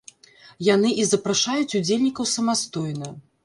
Яны і запрашаюць удзельнікаў самастойна.